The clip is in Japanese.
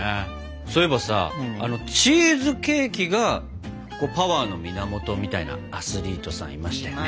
そういえばさチーズケーキがパワーの源みたいなアスリートさんいましたよね。